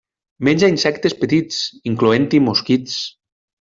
Menja insectes petits, incloent-hi mosquits.